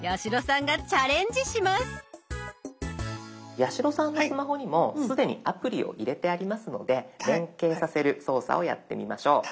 八代さんのスマホにも既にアプリを入れてありますので連携させる操作をやってみましょう。